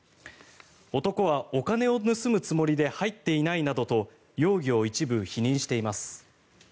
男はお金を盗むつもりで入っていないなどと容疑を一部否認しています。